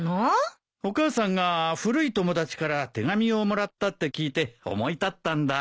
お母さんが古い友達から手紙をもらったって聞いて思い立ったんだ。